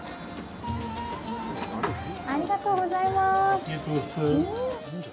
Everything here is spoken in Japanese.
ありがとうございます。